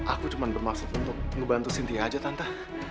aku cuman bermaksud untuk ngebantu sintia aja tante